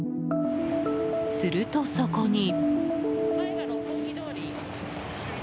すると、そこに。